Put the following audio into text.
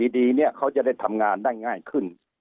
ดีเนี่ยเขาจะได้ทำงานได้ง่ายขึ้น